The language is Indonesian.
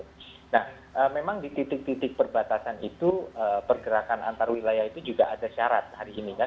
nah memang di titik titik perbatasan itu pergerakan antar wilayah itu juga ada syarat hari ini kan